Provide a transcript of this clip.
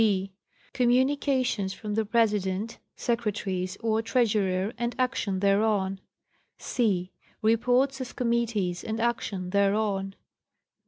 6. Communications from the President, Secretaries or Treasurer and action thereon. c. Reports of committees and action thereon.